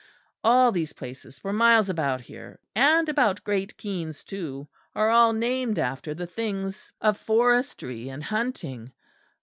All these places for miles about here, and about Great Keynes too, are all named after the things of forestry and hunting.